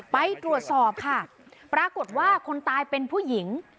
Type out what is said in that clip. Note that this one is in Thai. ไปตรวจสอบค่ะปรากฏว่าคนตายเป็นผู้หญิง